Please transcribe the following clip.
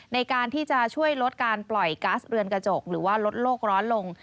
ในการที่จะช่วยลดการปล่อยก๊าซเรือนกระจกหรือว่าลดโลกร้อนลง